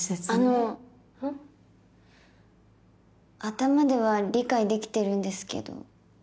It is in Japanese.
頭では理解できてるんですけど。